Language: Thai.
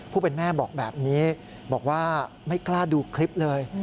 ผู้เป็นแม่บอกแบบนี้บอกว่าไม่กล้าดูคลิปเลย